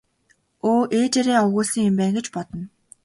Өө ээжээрээ овоглосон юм байна гэж бодно.